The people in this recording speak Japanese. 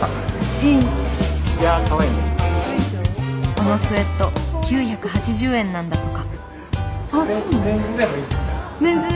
このスウェット９８０円なんだとか。